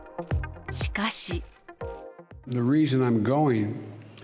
しかし。